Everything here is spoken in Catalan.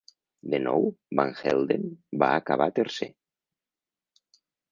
De nou, Van Helden va acabar tercer.